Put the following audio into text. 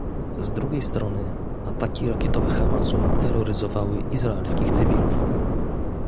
Z drugiej strony, ataki rakietowe Hamasu terroryzowały izraelskich cywilów